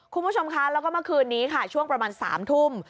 คุณผู้ชมคะแล้วก็เมื่อคืนนี้ค่ะช่วงประมาณ๓ทุ่ม